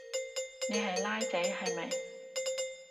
你係孻仔係咪？